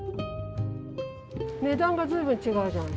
値段が随分違うじゃん。